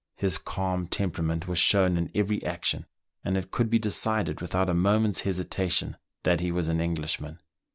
His calm temperament was shown in every action ; and it could be decided without a moment's hesitation that he was an Englishman.